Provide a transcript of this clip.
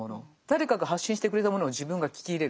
誰かが発信してくれたものを自分が聞き入れる。